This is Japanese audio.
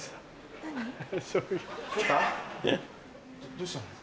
どうしたの？